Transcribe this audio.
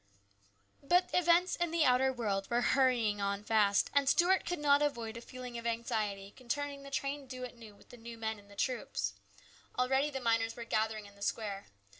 But events in the outer world were hurrying on fast, and Stuart could not avoid a feeling of anxiety concerning the train due at noon with the new men and the troops. Already the miners were gathering in the square.